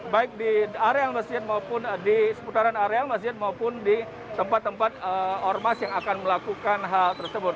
baik di area masjid maupun di seputaran areal masjid maupun di tempat tempat ormas yang akan melakukan hal tersebut